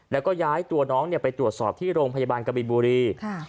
แล้วก็ย้ายตัวน้องไปตรวจสอบที่โรงพยาบาลกบินบุรี